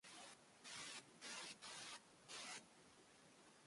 Dijous mon pare irà d'excursió.